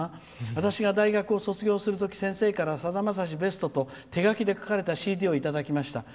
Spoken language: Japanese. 「私が大学を卒業するとき先生から「さだまさしベスト」と手書きで書いたＣＤをいただきました。